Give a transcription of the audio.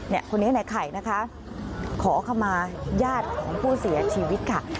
คนนี้ในไข่นะคะขอขมาญาติของผู้เสียชีวิตค่ะ